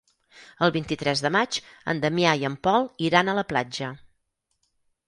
El vint-i-tres de maig en Damià i en Pol iran a la platja.